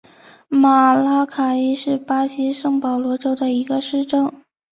马拉卡伊是巴西圣保罗州的一个市镇。